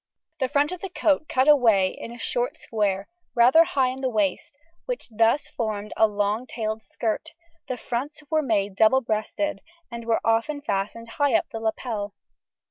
The front of the coat cut away in a short square, rather high in the waist, which thus formed a long tailed skirt; the fronts were made double breasted, and were often fastened high up the lapel.